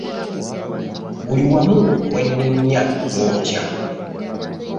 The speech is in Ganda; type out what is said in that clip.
Buli wamu we nninnya wookya.